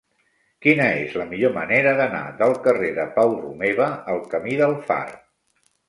Quina és la millor manera d'anar del carrer de Pau Romeva al camí del Far?